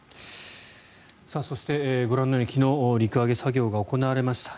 そしてご覧のように昨日、陸揚げ作業が行われました。